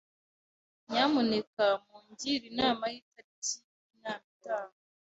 Nyamuneka mungire inama yitariki yinama itaha.